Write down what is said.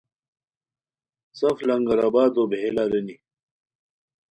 سف لنگرآبادو بیہیل ارینی